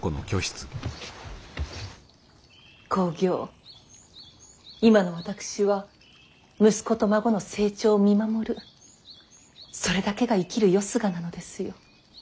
公暁今の私は息子と孫の成長を見守るそれだけが生きるよすがなのですよ。